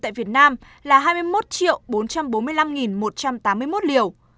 tại việt nam là hai mươi một bốn trăm bốn mươi năm một trăm tám mươi một liều